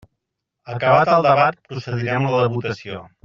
Acabat el debat, procedirem a la votació.